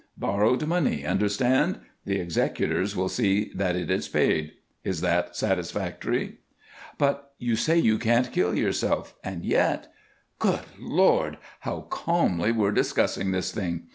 Borrowed money, understand? The executors will see that it is paid. Is that satisfactory?" "But you say you can't kill yourself and yet Good Lord! How calmly we're discussing this thing!